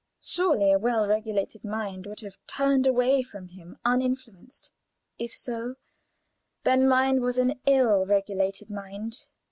Surely a well regulated mind would have turned away from him uninfluenced. If so, then mine was an ill regulated mind.